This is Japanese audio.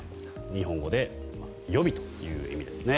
日本語で予備という意味ですね。